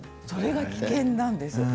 それが危険なんです。